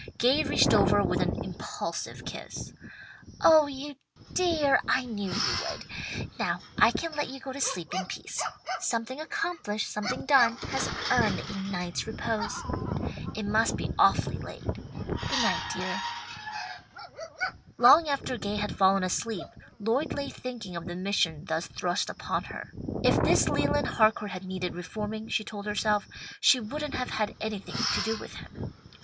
Gay reached over with an impulsive kiss. "Oh you dear! I knew you would. Now I can let you go to sleep in peace. 'Something accomplished, something done, has earned a night's repose.' It must be awfully late. Goodnight dear." Long after Gay had fallen asleep, Lloyd lay thinking of the mission thus thrust upon her. If this Leland Harcourt had needed reforming, she told herself, she wouldn't have had anything to do with him.